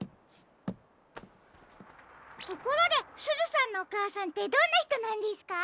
ところですずさんのおかあさんってどんなひとなんですか？